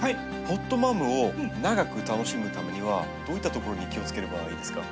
ポットマムを長く楽しむためにはどういったところに気をつければいいですか？